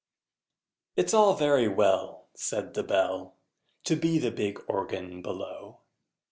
It's all very well, Said the Bell, To be the big Organ below!